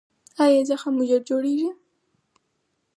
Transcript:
ایا زخم مو ژر جوړیږي؟